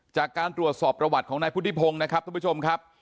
จากการตรวจสอบประวัติของนายพุทธิพงศ์นะครับทุกผู้ชมครับ